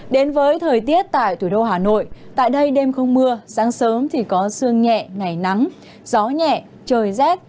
đến với thời tiết tại thủ đô hà nội tại đây đêm không mưa sáng sớm thì có sương nhẹ ngày nắng gió nhẹ trời rét